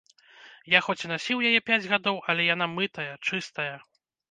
Я хоць і насіў яе пяць гадоў, але яна мытая, чыстая!